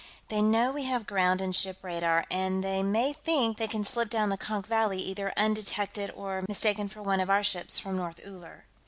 They know we have ground and ship radar, and they may think they can slip down the Konk Valley either undetected or mistaken for one of our ships from North Uller."